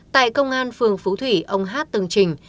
tại công an phường phú thủy ông hát từng trình